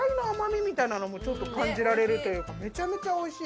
もちょっと感じられるというかめちゃめちゃおいしい。